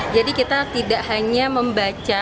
jadi kita tidak hanya membaca